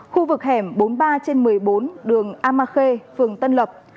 khu vực hẻm bốn mươi ba trên một mươi bốn đường amakhe phường tân lập